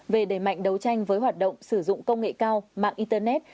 về đẩy mạnh đấu tranh với hoạt động sử dụng công nghệ cao mạng internet